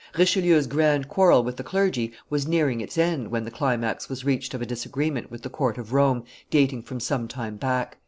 Richelieu's grand quarrel with the clergy was nearing its end when the climax was reached of a disagreement with the court of Rome, dating from some time back.